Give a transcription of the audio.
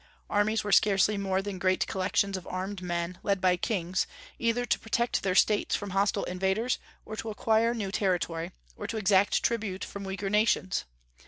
Armies were scarcely more than great collections of armed men, led by kings, either to protect their States from hostile invaders, or to acquire new territory, or to exact tribute from weaker nations.